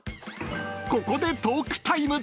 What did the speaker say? ［ここでトークタイム］